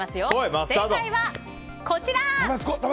正解はこちら！